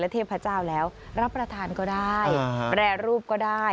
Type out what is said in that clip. เทพเจ้าแล้วรับประทานก็ได้แปรรูปก็ได้